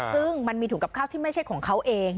ซึ่งมันมีถุงกับข้าวที่ไม่ใช่ของเขาเอง